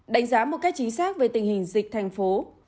đánh giá một cách chính xác về tình hình dịch thành phố